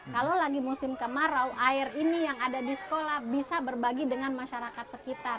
kalau lagi musim kemarau air ini yang ada di sekolah bisa berbagi dengan masyarakat sekitar